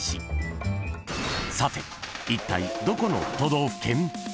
［さていったいどこの都道府県？］